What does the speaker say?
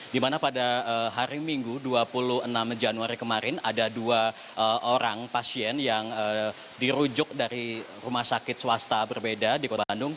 di mana pada hari minggu dua puluh enam januari kemarin ada dua orang pasien yang dirujuk dari rumah sakit swasta berbeda di kota bandung